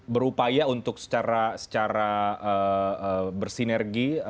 berupaya untuk secara bersinergi